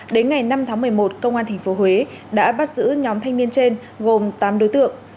đến ngày năm tháng một mươi một công an tp huế đã bắt giữ nhóm thanh niên trên gồm tám đối tượng